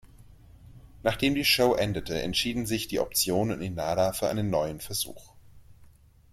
Nachdem die Show endete, entschieden sich die Option und Inada für einen neuen Versuch.